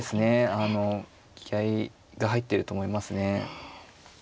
あの気合いが入っていると思いますね。